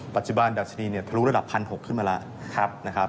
ปัจจุบันดัชนีเนี่ยทะลุระดับ๑๖๐๐ขึ้นมาแล้วนะครับ